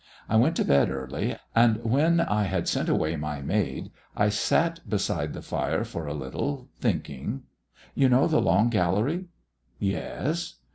I went to bed early, and when I had sent away my maid I sat beside the fire for a little, thinking. You know the long gallery?" "Yes."